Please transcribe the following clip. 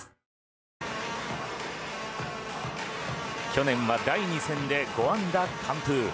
去年は第２戦で５安打完封。